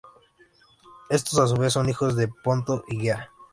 Estos a su vez son hijos de Ponto y Gea.